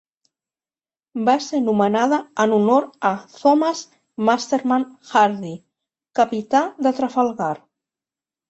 Va ser nomenada en honor a Thomas Masterman Hardy, Capità de Trafalgar.